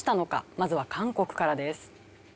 まずは韓国からです。